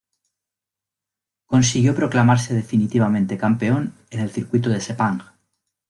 Consiguió proclamarse definitivamente campeón en el circuito de Sepang.